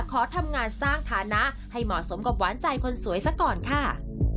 ขอทำงานสร้างฐานะให้เหมาะสมกับหวานใจคนสวยซะก่อนค่ะ